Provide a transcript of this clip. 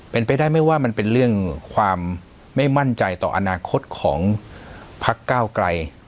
เป็นไปได้ไหมว่ามันเป็นเรื่องความไม่มั่นใจต่ออนาคตของพักก้าวไกล